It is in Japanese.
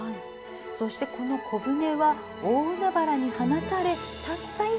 そして、この小舟は大海原に放たれたった